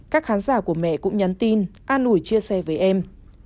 các khán giả của mẹ cũng nhắn tin an ủi chia sẻ với em